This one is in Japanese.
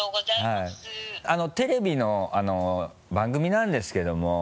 テレビの番組なんですけども。